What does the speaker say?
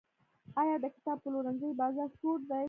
آیا د کتاب پلورنځیو بازار سوړ دی؟